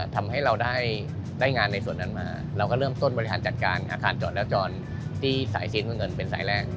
ทำให้เราได้งานในส่วนนั้นมาเราก็เริ่มต้นบริหารจัดการอาคารจอดแล้วจรที่สายซีดเงินเป็นสายแรก